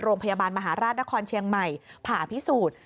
โรงพยาบาลมหาราชนครเชียงใหม่ผ่าพิสูจน์